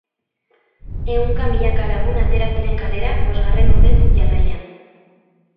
Ehunka milaka lagun atera ziren kalera bosgarren urtez jarraian.